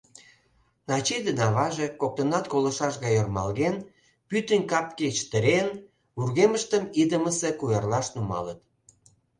Начи ден аваже, коктынат колышаш гай ӧрмалген, пӱтынь капге чытырен, вургемыштым идымысе куэрлаш нумалыт.